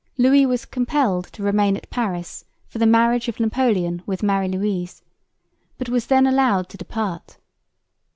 Louis was compelled to remain at Paris for the marriage of Napoleon with Marie Louise, but was then allowed to depart.